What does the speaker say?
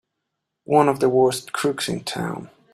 One of the worst crooks in town!